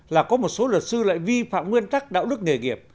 là có một số luật sư lại vi phạm nguyên tắc đạo đức nghề nghiệp